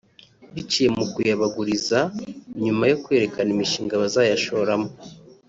biciye mu kuyabaguriza nyuma yo kwerekana imishinga bazayashoramo